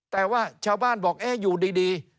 แต่ว่าชาวบ้านบอกเอ๊ะอยู่ดี